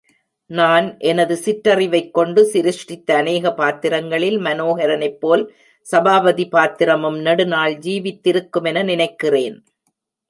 நான் எனது சிற்றறிவைக்கொண்டு சிருஷ்டித்த அநேக பாத்திரங்களில், மனோஹரனைப் போல் சபாபதி பாத்திரமும் நெடுநாள் ஜீவித்திருக்குமென நினைக்கிறேன்.